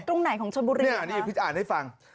ตรงไหนของชนบุรีเนี่ยอันนี้พี่อ่านให้ฟัง